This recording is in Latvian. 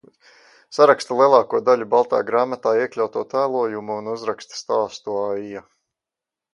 "Saraksta lielāko daļu "Baltā grāmatā" iekļauto tēlojumu un uzraksta stāstu "Aija"."